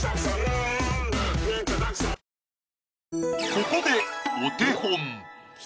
ここでお手本。